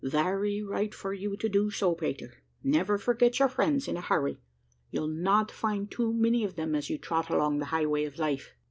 "Very right for you so to do, Peter: never forget your friends in a hurry; you'll not find too many of them as you trot along the highway of life."